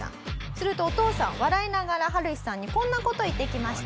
するとお父さん笑いながらハルヒさんにこんな事言ってきました。